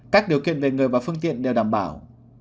các điều kiện về người và phương tiện đều đảm bảo